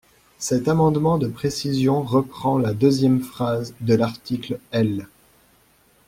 Cet amendement de précision reprend la deuxième phrase de l’article L.